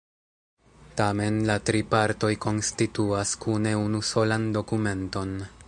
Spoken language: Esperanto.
Tamen la tri partoj konstituas kune unusolan dokumenton.